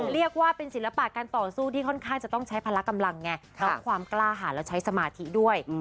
เรียกว่าเป็นศิลปะการต่อสู้ที่ค่อนข้างจะต้องใช้พละกำลังไงแล้วความกล้าหาแล้วใช้สมาธิด้วย